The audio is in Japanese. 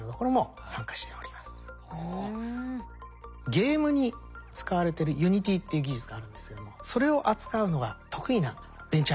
ゲームに使われてる「Ｕｎｉｔｙ」っていう技術があるんですけどもそれを扱うのが得意なベンチャー企業も入っております。